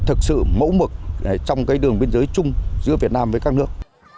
giữ mẫu mực trong đường biên giới chung giữa việt nam với các nước